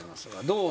どう？